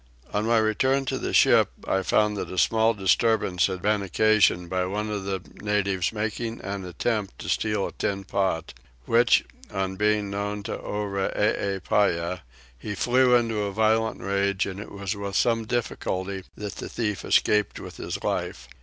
On my return to the ship I found that a small disturbance had been occasioned by one of the natives making an attempt to steal a tin pot; which, on being known to Oreepyah, he flew into a violent rage, and it was with some difficulty that the thief escaped with his life.